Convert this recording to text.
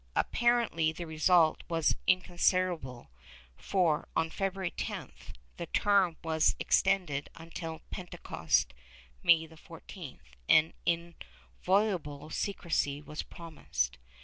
Appar ently the result was inconsiderable for, on February 10th, the term was extended imtil Pentecost (May 14th) and inviolal^le secrecy was promised.